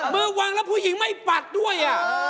มือวางแล้วผู้หญิงไม่ปัดด้วย